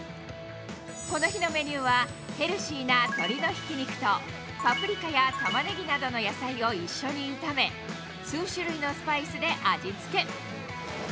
この日のメニューは、ヘルシーな鶏のひき肉と、パプリカやタマネギなどの野菜を一緒に炒め、数種類のスパイスで味付け。